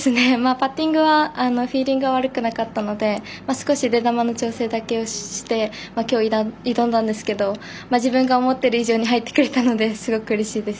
パッティングはフィーリングは悪くなかったので少し出球の調整だけしてきょう、挑んだんですけど自分が思っている以上に入ってくれたのですごくうれしいです。